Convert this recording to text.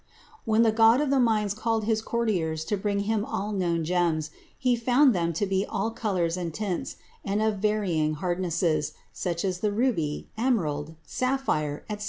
When the God of the Mines called his courtiers to bring him all known gems, he found them to be of all colors and tints, and of varying hardnesses, such as the ruby, emerald, sapphire, etc.